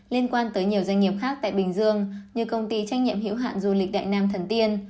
liên quan tới nhiều doanh nghiệp khác tại bình dương như công ty trách nhiệm hiểu hạn du lịch đại nam thần tiên